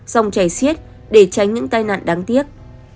dòng chảy xiết để tránh những tai nạn đáng tiếc